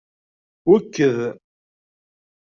Wekked.